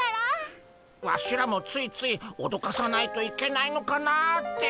ワシらもついついおどかさないといけないのかなって。